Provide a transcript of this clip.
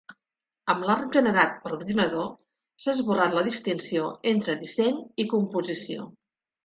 Amb l'art generat per ordinador, s'ha esborrat la distinció entre disseny i composició.